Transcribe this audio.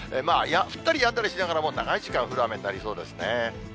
降ったりやんだりしながらも、長い時間降る雨になりそうですね。